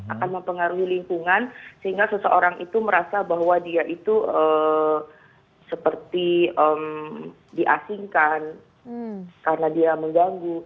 akan mempengaruhi lingkungan sehingga seseorang itu merasa bahwa dia itu seperti diasingkan karena dia mengganggu